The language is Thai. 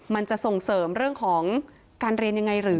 มันจะส่งเสริมเรื่องของการเรียนยังไงหรือ